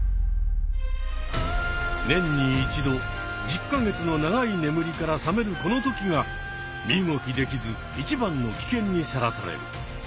年に一度１０か月の長いねむりから覚めるこの時が身動きできず一番の危険にさらされる。